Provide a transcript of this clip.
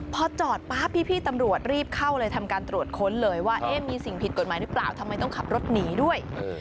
พอจอดป๊าบพี่ตำรวจรีบเข้าเลยทำการตรวจค้นเลยว่ามีสิ่งผิดกฎหมายหรือเปล่าทำไมต้องขับรถหนีด้วย